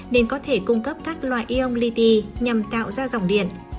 nên có thể cung cấp các loại ion li ti nhằm tạo ra dòng điện